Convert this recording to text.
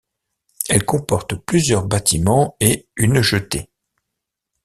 Elle comporte plusieurs bâtiments et une jetée.